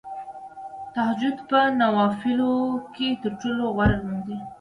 تهجد په نوافلو کې تر ټولو غوره لمونځ دی .